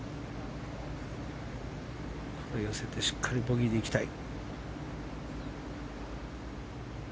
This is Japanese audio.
これ寄せてしっかりボギーで行きたい。